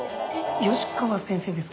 吉川先生ですか？